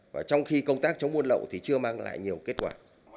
và trong khi công tác chống buôn lậu thì chưa mang lại nhiều kết quả